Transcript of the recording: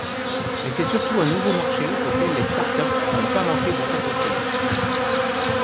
Mais c'est surtout un nouveau marché auquel les startups n'ont pas manqué de s'adresser.